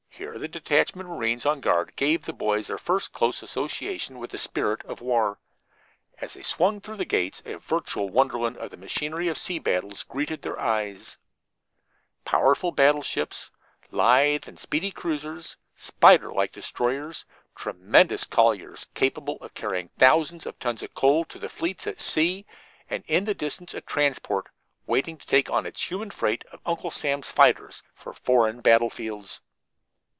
Here the detachment of marines on guard gave the boys their first close association with the spirit of war. As they swung through the gates a virtual wonderland of the machinery of sea battles greeted their eyes powerful battleships, lithe and speedy cruisers, spider like destroyers, tremendous colliers capable of carrying thousands of tons of coal to the fleets at sea, and in the distance a transport, waiting to take on its human freight of Uncle Sam's fighters for foreign battlefields.